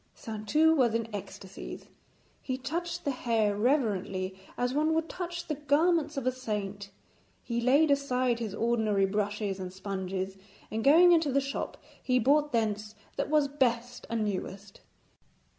Saintou was in ecstasies. He touched the hair reverently as one would touch the garments of a saint. He laid aside his ordinary brushes and sponges, and going into the shop he brought thence what was best and newest.